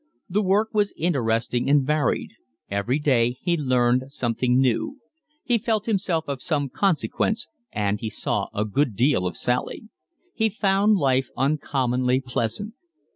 The work was interesting and varied; every day he learned something new; he felt himself of some consequence; and he saw a good deal of Sally. He found life uncommonly pleasant.